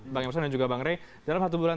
bang rekat dan juga bang rekat dalam satu bulan